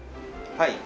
はい。